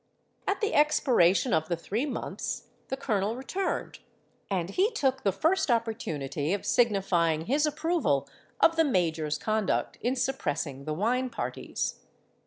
"At the expiration of the three months the colonel returned; and he took the first opportunity of signifying his approval of the major's conduct in suppressing the wine parties.